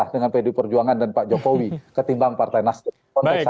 dengan pd perjuangan dan pak jokowi ketimbang partai nasdem